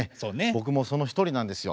僕もその一人なんですよ。